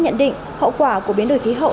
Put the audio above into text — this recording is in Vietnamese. nhận định hậu quả của biến đổi khí hậu